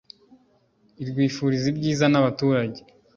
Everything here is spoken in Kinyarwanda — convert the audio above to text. irwifuliza ibyiza n’abarutuye